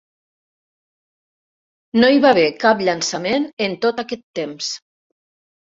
No hi va haver cap llançament en tot aquest temps.